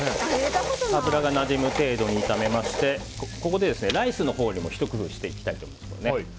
油がなじむ程度に炒めましてここでライスのほうにもひと工夫していきたいと思います。